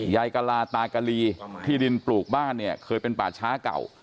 ยายกะลาตากะลีที่ดินปลูกบ้านเนี่ยเคยเป็นป่าช้าเก่า